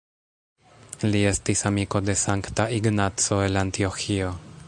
Li estis amiko de Sankta Ignaco el Antioĥio.